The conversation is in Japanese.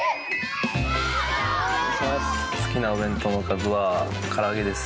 好きなお弁当のおかずはから揚げです。